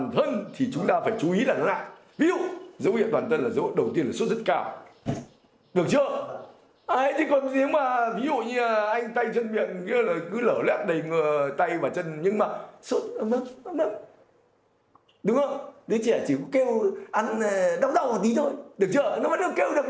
ví dụ dấu hiệu toàn thân là dấu hiệu đầu tiên là sốt rất cao được chưa